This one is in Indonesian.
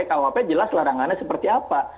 kuhp jelas larangannya seperti apa